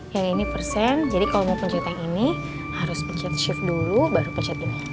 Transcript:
ya ini persen jadi kalau mau pencet yang ini harus pecet shift dulu baru pecet ini